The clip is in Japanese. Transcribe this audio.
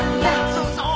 そうそう！